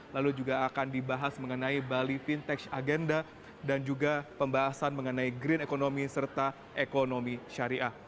lalu juga akan dibahas mengenai bali vintage agenda dan juga pembahasan mengenai green economy serta ekonomi syariah